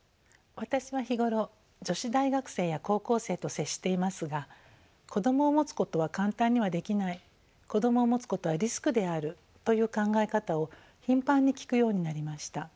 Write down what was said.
私は日頃女子大学生や高校生と接していますが子どもを持つことは簡単にはできない子どもを持つことはリスクであるという考え方を頻繁に聞くようになりました。